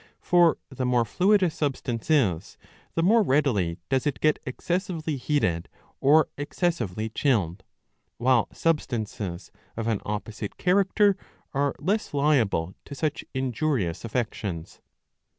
For the more fluid a substance is, the more readily does it get excessively heated or excessively chilled, while substances of an opposite character are less liable to such injurious affections.